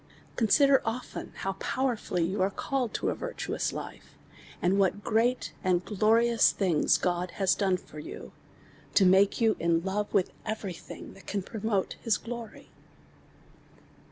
Consider often how poweifaily you are called to a virtuous life, and what great and gioiious things God has doiie for you, to make you in love with every thing that can promote ins glory.